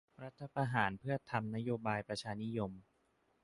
รัฐประหารเพื่อทำนโยบายประชานิยม